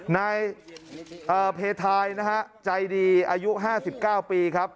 นายเอ่อเพทายนะฮะใจดีอายุห้าสิบเก้าปีครับ